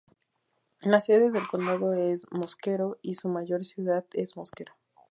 La sede del condado es Mosquero, y su mayor ciudad es Mosquero.